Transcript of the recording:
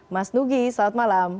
mas nugi selamat malam